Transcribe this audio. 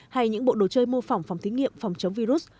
hay những bộ đồ chơi mô phỏng phòng thí nghiệm phòng chống virus